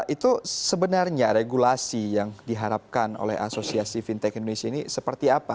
itu sebenarnya regulasi yang diharapkan oleh asosiasi fintech indonesia ini seperti apa